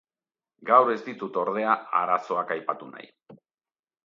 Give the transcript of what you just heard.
Gaur ez ditut, ordea, arazoak aipatu nahi.